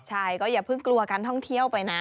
ใช่ก็อย่าเพิ่งกลัวการท่องเที่ยวไปนะ